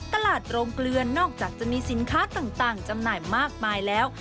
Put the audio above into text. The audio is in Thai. โรงเกลือนอกจากจะมีสินค้าต่างจำหน่ายมากมายแล้ว